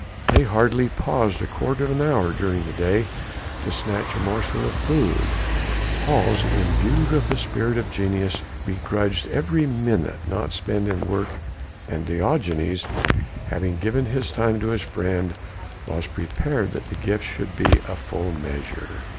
They hardly paused a quarter of an hour during the day to snatch a morsel of food; Hals, imbued with the spirit of genius, begrudged every minute not spent in work and Diogenes, having given his time to his friend, was prepared that the gift should be a full measure.